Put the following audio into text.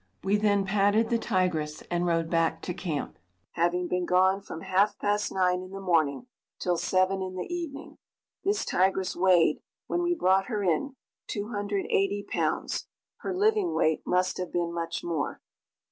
We then padded the tigress and rode back to camp, having been gone from half past 9 in the morning till 7 in the evening. This tigress weighed, when we brought her in, 280 pounds; her living weight must have been much more.